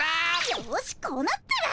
よしこうなったら。